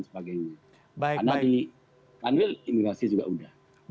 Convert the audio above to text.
sebagainya karena di tanwil imigrasi juga sudah